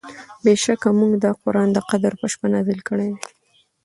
بېشکه مونږ دا قرآن د قدر په شپه نازل کړی دی